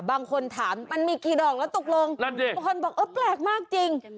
บางคนถามมันมีกี่ดอกล่ะตรงบางคนบอกแปลกมากจริง